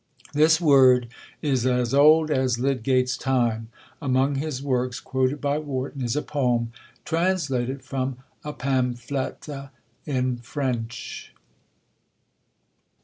This word is as old as Lydgate's time: among his works, quoted by Warton, is a poem "translated from a pamflete in Frenshe."